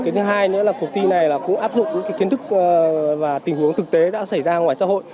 thứ hai nữa là cục thi này cũng áp dụng những kiến thức và tình huống thực tế đã xảy ra ngoài xã hội